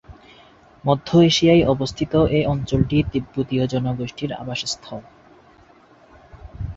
মধ্য এশিয়ায় অবস্থিত এ অঞ্চলটি তিব্বতীয় জনগোষ্ঠীর আবাসস্থল।